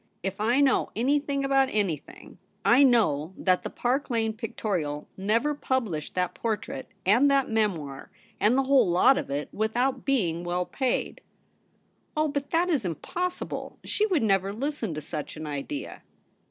If I know anything about anything, I know that the Park Lane Pictorial never 144 THE REBEL ROSE. published that portrait and that memoir, and the whole lot of it, without being well paid.' * Oh, but that is impossible. She would never listen to such an idea.'